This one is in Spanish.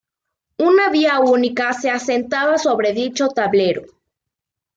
Una vía única se asentaba sobre dicho tablero.